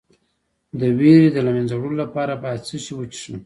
د ویرې د له منځه وړلو لپاره باید څه شی وڅښم؟